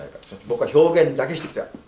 僕は表現だけしてきた。